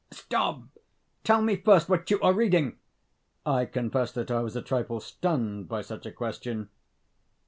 "Stop! tell me first what you are reading." I confess that I was a trifle stunned by such a question.